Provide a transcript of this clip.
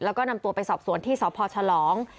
แล้วก็นำตัวไปสอบสวนที่สพฉลอง